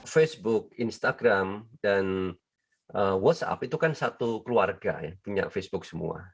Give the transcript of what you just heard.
facebook instagram dan whatsapp itu kan satu keluarga ya punya facebook semua